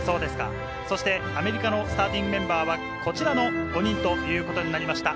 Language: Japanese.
そしてアメリカのスターティングメンバーはこちらの５人ということになりました。